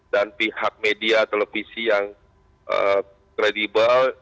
pihak media televisi yang kredibel